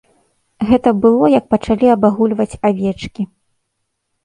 Гэта было, як пачалі абагульваць авечкі.